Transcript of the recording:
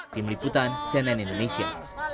di meliputan senen indonesia